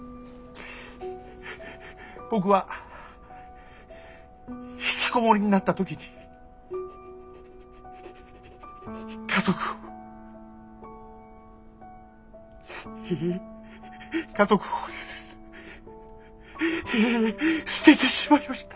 僕はひきこもりになった時に家族を家族をすええ捨ててしまいました。